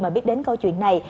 mà biết đến câu chuyện này